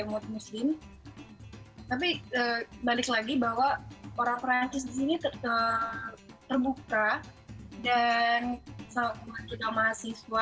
emut muslim tapi balik lagi bahwa orang perancis di sini tetap terbuka dan selama itu mahasiswa